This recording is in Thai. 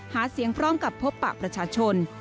หาเสียงพร้อมกับพบปะประชาชน